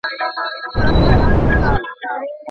باغ بابر عصري نه دی.